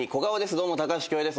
どうも高橋恭平です。